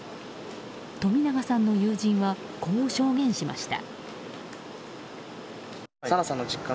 冨永さんの友人はこう証言しました。